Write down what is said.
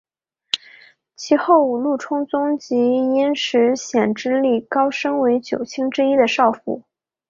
其后五鹿充宗即因石显之力高升为九卿之一的少府。